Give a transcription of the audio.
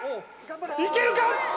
いけるか。